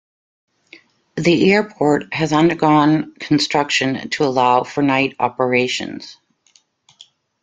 The airport has undergone construction to allow for night operations.